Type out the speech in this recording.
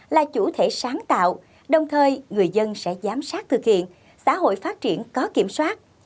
là chủ thể sáng tạo đồng thời người dân sẽ giám sát thực hiện xã hội phát triển có kiểm soát